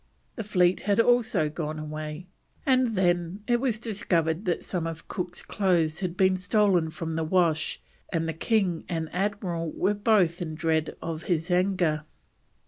The fleet had also gone away; and then it was discovered that some of Cook's clothes had been stolen from the wash, and the king and Admiral were both in dread of his anger.